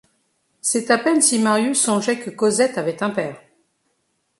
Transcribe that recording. C’est à peine si Marius songeait que Cosette avait un père.